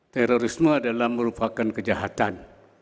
terorisme adalah merupakan kejahatan